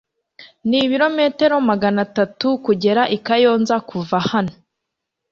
Nibirometero magana atatu kugera i Kayonza kuva hano